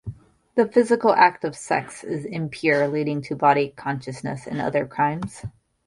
The physical act of sex is "impure", leading to body-consciousness and other crimes.